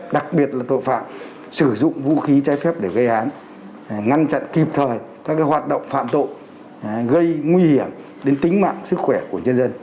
đặc biệt là tội phạm sử dụng vũ khí trái phép để gây án ngăn chặn kịp thời các hoạt động phạm tội gây nguy hiểm đến tính mạng sức khỏe của nhân dân